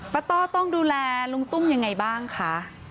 ต้อต้องดูแลลุงตุ้มยังไงบ้างคะ